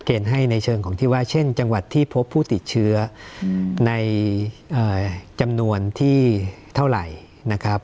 ให้ในเชิงของที่ว่าเช่นจังหวัดที่พบผู้ติดเชื้อในจำนวนที่เท่าไหร่นะครับ